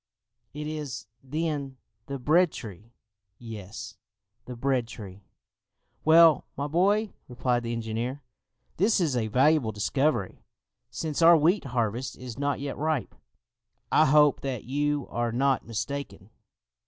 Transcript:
"It is, then, the bread tree?" "Yes, the bread tree." "Well, my boy," replied the engineer, "this is a valuable discovery, since our wheat harvest is not yet ripe; I hope that you are not mistaken!"